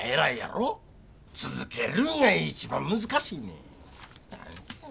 続けるんが一番難しいねん。